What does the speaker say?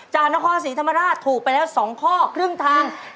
จากนครศรีธรรมราชถูกไปแล้ว๒ข้อครึ่งทาง